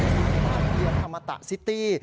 สินทรียศภาพเรียนธรรมตะซิตี้